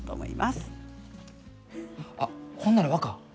あっ、ほんなら若！